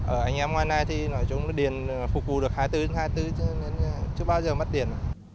ở anh em ngoài này thì nói chung điện phục vụ được hai mươi bốn h hai mươi bốn chứ bao giờ mất điện